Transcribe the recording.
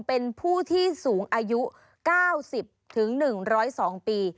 เป็นผู้ที่สูงอายุ๙๐๑๐๒ปี